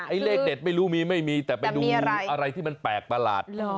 เลขเด็ดไม่รู้มีไม่มีแต่ไปดูอะไรที่มันแปลกประหลาด